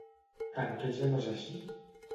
Per què ja no és així?